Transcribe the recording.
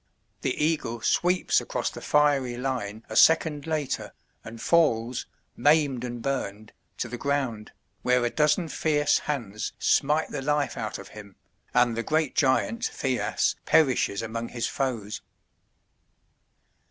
The eagle sweeps across the fiery line a second later, and falls, maimed and burned, to the ground, where a dozen fierce hands smite the life out of him, and the great giant Thjasse perishes among his foes.